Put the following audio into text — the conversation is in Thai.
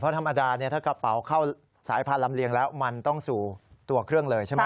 ธรรมดาเนี่ยถ้ากระเป๋าเข้าสายพันธลำเลียงแล้วมันต้องสู่ตัวเครื่องเลยใช่ไหม